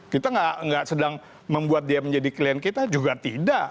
kita tidak sedang membuat dia menjadi klien kita juga tidak